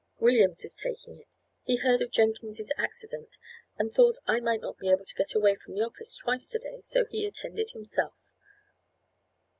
"Williams is taking it; he heard of Jenkins's accident, and thought I might not be able to get away from the office twice today, so he attended himself."